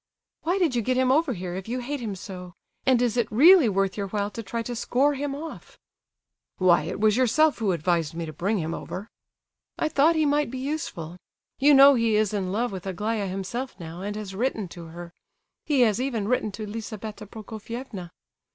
"Why did you get him over here, if you hate him so? And is it really worth your while to try to score off him?" "Why, it was yourself who advised me to bring him over!" "I thought he might be useful. You know he is in love with Aglaya himself, now, and has written to her; he has even written to Lizabetha Prokofievna!"